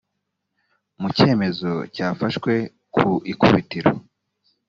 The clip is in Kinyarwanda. mu cyemezo yafashe ku ikubitiro